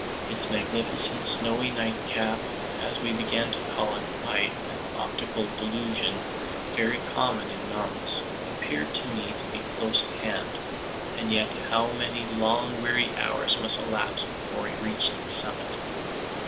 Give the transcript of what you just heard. Its magnificent snowy nightcap, as we began to call it, by an optical delusion very common in mountains, appeared to me to be close at hand; and yet how many long weary hours must elapse before we reached its summit.